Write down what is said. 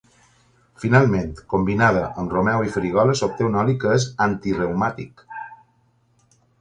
Finalment, combinada amb romeu i farigola s'obté un oli que és antireumàtic.